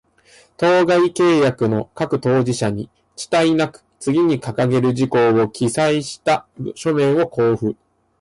当該契約の各当事者に、遅滞なく、次に掲げる事項を記載した書面を交付